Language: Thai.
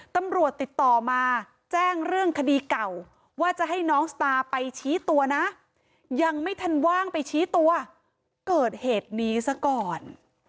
ตำรวจติดต่อมาแจ้งเรื่องคดีเก่าว่าจะให้น้องสตาร์ไปชี้ตัวนะยังไม่ทันว่างไปชี้ตัวเกิดเหตุนี้ซะก่อน